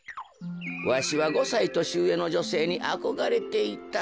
わしは５さいとしうえのじょせいにあこがれていた。